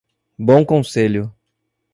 Bom Conselho